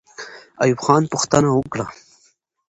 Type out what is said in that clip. ایوب خان پوښتنه وکړه.